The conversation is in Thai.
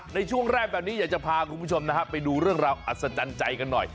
ในช่วงแรกแบบนี้อยากจะพาคุณผู้ชมนะฮะไปดูเรื่องราวอัศจรรย์ใจกันหน่อย